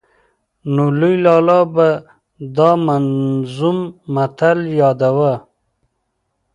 نو لوی لالا به دا منظوم متل ياداوه.